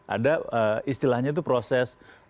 ada istilahnya itu proses